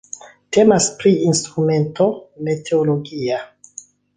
Temas pri instrumento meteologia.